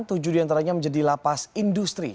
tujuh diantaranya menjadi lapas industri